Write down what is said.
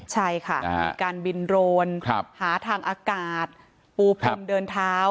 ใช่ค่ะมีการบินโรนหาทางอากาศปูพรมเดินเท้า